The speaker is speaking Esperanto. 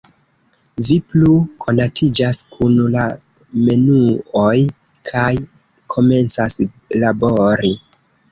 Vi plu konatiĝas kun la menuoj kaj komencas labori.